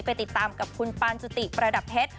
ไปติดตามกับคุณปานจุติประดับเพชร